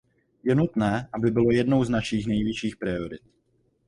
Je nutné, aby bylo jednou z našich nejvyšších priorit.